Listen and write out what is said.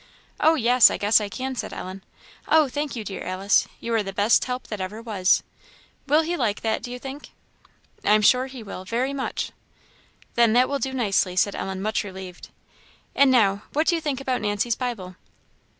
"Oh, yes, I guess I can," said Ellen. "Oh, thank you, dear Alice! you are the best help that ever was. Will he like that, do you think?" "I am sure he will very much." "Then, that will do nicely," said Ellen, much relieved. "And now, what do you think about Nancy's Bible?"